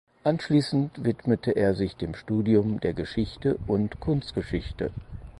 Anschließend widmete er sich dem Studium der Geschichte und Kunstgeschichte.